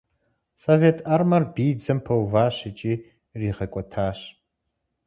Совет Армэр биидзэм пэуващ икӏи иригъэкӏуэтащ.